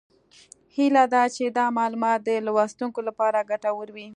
هیله ده چې دا معلومات د لوستونکو لپاره ګټور وي